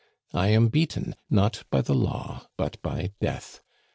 I am beaten, not by the law, but by death.